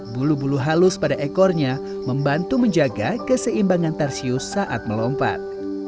bulu bulu halus pada ekornya membantu menjaga keseimbangan tarsius saat melompat